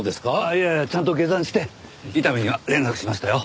いやいやちゃんと下山して伊丹には連絡しましたよ。